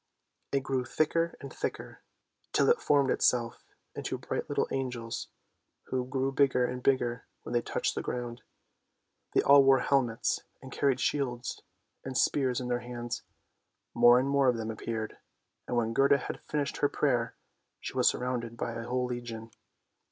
It grew thicker and thicker, till it formed itself into bright little angels who grew bigger and bigger when they touched the ground. They all wore helmets and carried shields and spears in their 212 ANDERSEN'S FAIRY TALES hands. More and more of them appeared, and when Gerda had finished her prayer she was surrounded by a whole legion.